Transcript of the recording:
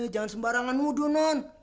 jangan sembarangan muda non